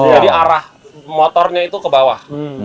jadi arah motornya itu ke bawah